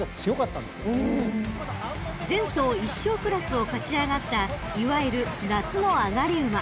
［前走１勝クラスを勝ち上がったいわゆる夏の上がり馬］